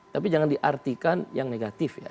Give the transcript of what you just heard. tapi jangan diartikan yang negatif ya